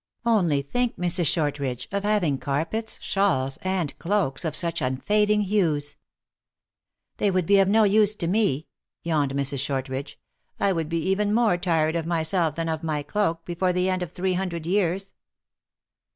Only think, Mrs. Shortridge, of having carpets, shawls and cloaks of such unfading hues !"" They would be of no use to me," yawned Mrs. Shortridge, "I would be even more tired of myself than of my cloak, before the end of three hundred years."